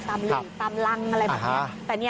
หลีกตามรังอะไรแบบนี้